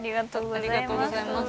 ありがとうございます。